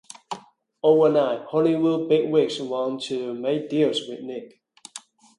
Overnight, Hollywood bigwigs want to make deals with Nick.